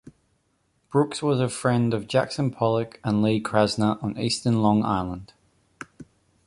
Brooks was a friend of Jackson Pollock and Lee Krasner on Eastern Long Island.